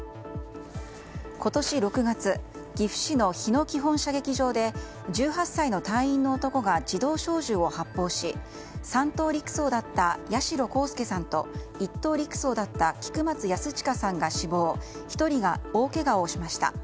今年６月岐阜市の日野基本射撃場で１８歳の隊員の男が自動小銃を発砲し３等陸曹だった八代航佑さんと１等陸曹だった菊松安親さんが死亡１人が大けがをしました。